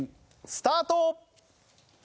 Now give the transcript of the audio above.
スタート！